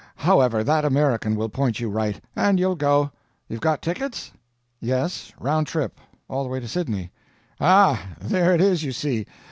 However, that American will point you right, and you'll go. You've got tickets?" "Yes round trip; all the way to Sydney." "Ah, there it is, you see!